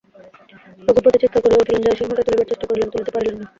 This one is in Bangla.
রঘুপতি চীৎকার করিয়া উঠিলেন–জয়সিংহকে তুলিবার চেষ্টা করিলেন, তুলিতে পারিলেন না।